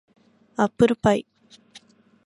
アップルパイ